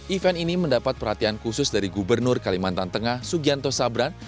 event ini mendapat perhatian khusus dari gubernur kalimantan tengah sugianto sabran